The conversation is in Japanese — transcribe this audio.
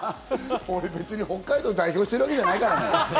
俺、別に北海道を代表してるわけじゃないからね。